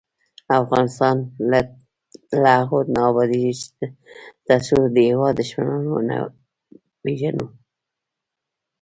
افغانستان تر هغو نه ابادیږي، ترڅو د هیواد دښمنان ونه پیژنو.